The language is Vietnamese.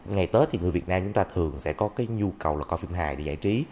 ngày tết thì người việt nam chúng ta thường sẽ có cái nhu cầu là có phim hài để giải trí